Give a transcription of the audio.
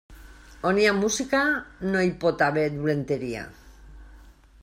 On hi ha música, no hi pot haver dolenteria.